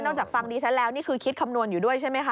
จากฟังดิฉันแล้วนี่คือคิดคำนวณอยู่ด้วยใช่ไหมคะ